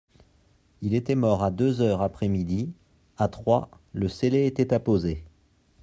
Il était mort à deux heures après midi ; à trois, le scellé était apposé.